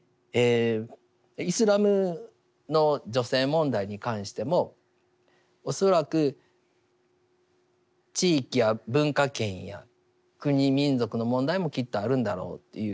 イスラムの女性問題に関しても恐らく地域や文化圏や国民族の問題もきっとあるんだろうというふうに思います。